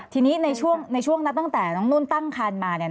ทีนี้ในช่วงนั้นตั้งแต่น้องนุ่นตั้งครรภ์มา